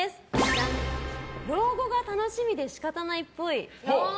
老後が楽しみで仕方ないっぽい。